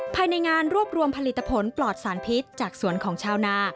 ภายในงานรวบรวมผลิตผลปลอดสารพิษจากสวนของชาวนา